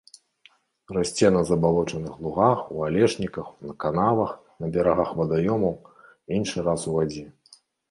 Расце на забалочаных лугах, у алешніках, канавах, на берагах вадаёмаў, іншы раз у вадзе.